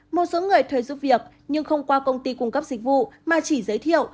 một số người thuê giúp việc nhưng không qua công ty cung cấp dịch vụ mà chỉ giới thiệu